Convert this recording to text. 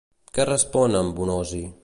Què respon en Bonosi?